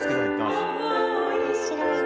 面白いね。